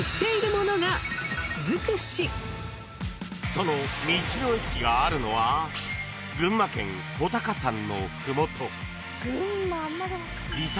［その道の駅があるのは群馬県武尊山の麓］